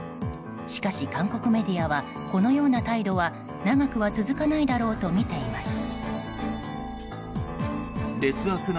しかし、韓国メディアはこのような態度は長くは続かないだろうとみています。